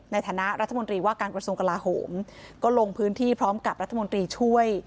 ในฐานะรัฐมนตรีว่าการกระทรวงกลาโหมก็ลงพื้นที่พร้อมกับรัฐมนตรีช่วย